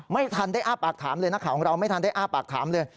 ไม่ทันได้อ้าปากถามเลยนักข่าวของเราไม่ทันได้อ้าปากถามเลย